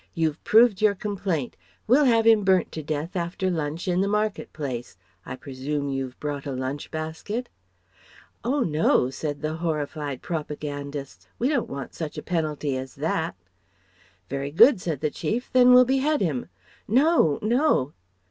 "You've proved your complaint. We'll have him burnt to death, after lunch, in the market place. I presume you've brought a lunch basket?" "Oh no!" said the horrified propagandists: "We don't want such a penalty as that..." "Very good" said the Chief, "then we'll behead him..." "No! No!"